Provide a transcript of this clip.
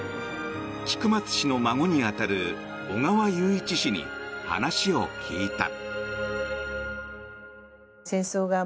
菊松氏の孫に当たる小川雄一氏に話を聞いた。